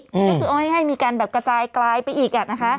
ก็คือให้มีการกระจายกลายไปอีก